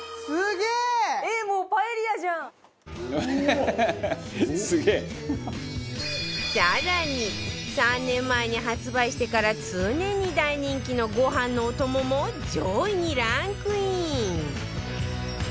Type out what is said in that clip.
更に３年前に発売してから常に大人気のご飯のお供も上位にランクイン